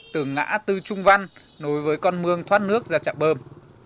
từ ngã tư trung văn nối với con mương thoát nước ra trạm bơm